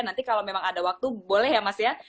nanti kalau memang ada waktu boleh ya mas ya